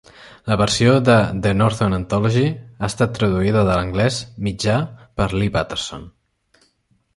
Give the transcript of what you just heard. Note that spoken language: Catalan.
La versió de "The Norton Anthology" ha estat traduïda de l'anglès mitjà per Lee Patterson.